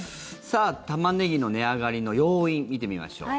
タマネギの値上がりの要因見てみましょう。